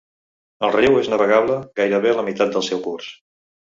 El riu és navegable gairebé la meitat del seu curs.